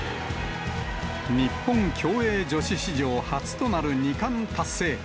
日本競泳女子史上初となる２冠達成。